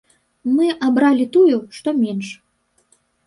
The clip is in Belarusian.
Мы абралі тую, што менш.